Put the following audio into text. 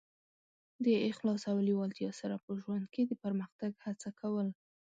د اخلاص او لېوالتیا سره په ژوند کې د پرمختګ هڅه کول.